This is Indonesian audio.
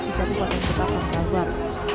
di kandungan ketakang kabar